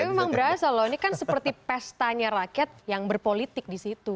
tapi memang berasal loh ini kan seperti pestanya rakyat yang berpolitik di situ